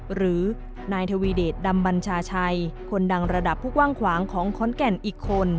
หรือนายทวีเดชดำบัญชาชัยคนดังระดับผู้กว้างขวางของขอนแก่นอีกคน